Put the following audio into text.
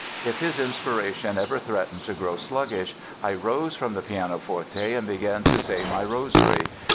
If his inspiration ever threatened to grow sluggish "I rose from the pianoforte and began to say my rosary".